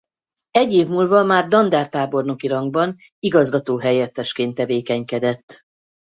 Egy év múlva már dandártábornoki rangban igazgató-helyettesként tevékenykedett.